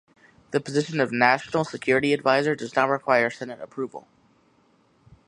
The position of National Security Advisor does not require Senate approval.